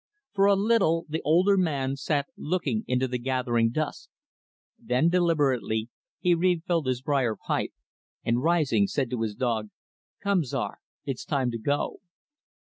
For a little, the older man sat looking into the gathering dusk. Then, deliberately, he refilled his brier pipe, and, rising, said to his dog, "Come, Czar it's time to go."